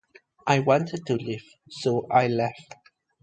I wanted to leave, so I left.